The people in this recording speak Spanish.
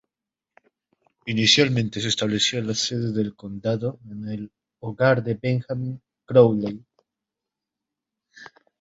Inicialmente se estableció la sede del condado en el hogar de Benjamin Crowley.